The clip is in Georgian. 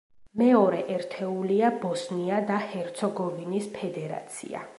მეორე ერთეულია ბოსნია და ჰერცეგოვინის ფედერაცია.